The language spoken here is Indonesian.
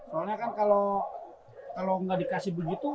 soalnya kan kalau nggak dikasih begitu